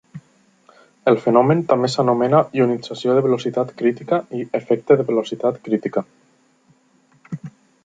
El fenomen també s'anomena "ionització de velocitat crítica" i "efecte de velocitat crítica".